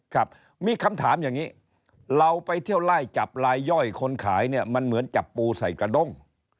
ครับมีคำถามอย่างนี้เราไปเที่ยวไล่จับลายย่อยคนขายเนี่ยมันเหมือนจับปูใส่กระด้ง